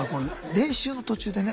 練習の途中でね